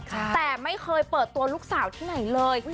แต่ไม่เคยเปิดตัวลูกสาวที่ไหนเลย